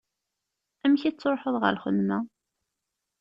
Amek i tettruḥuḍ ɣer lxedma?